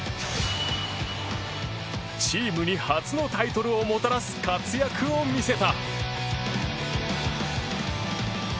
チームに初のタイトルをもたらす活躍を見せた。